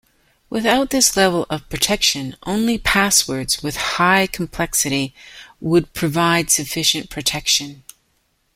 Without this level of protection, only passwords with high complexity would provide sufficient protection.